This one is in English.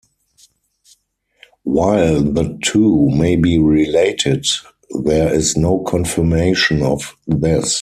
While the two may be related, there is no confirmation of this.